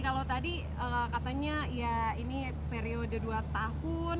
kalau tadi katanya ya ini periode dua tahun